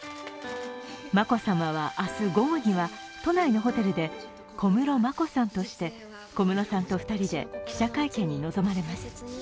眞子さまは明日午後には都内のホテルで小室眞子さんとして小室さんと２人で記者会見に臨まれます。